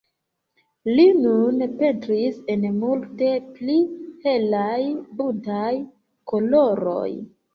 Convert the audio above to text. Li nun pentris en multe pli helaj, buntaj koloroj.